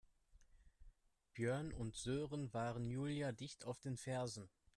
Björn und Sören waren Julia dicht auf den Fersen.